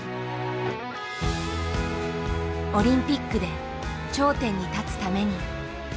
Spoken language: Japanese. オリンピックで頂点に立つために。